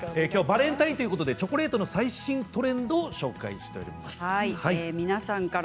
きょうはバレンタインということでチョコレートの最新トレンドをお伝えしています。